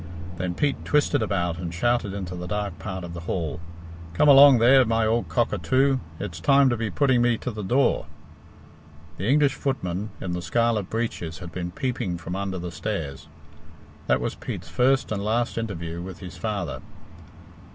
Then Pete twisted about and shouted into the dark part of the hall, "Come along, there, my ould cockatoo! It's time to be putting me to the door." The English footman in the scarlet breeches had been peeping from under the stairs. That was Pete's first and last interview with his father.